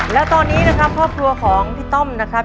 แล้วตอนนี้นะครับครอบครัวของพี่ต้อมนะครับ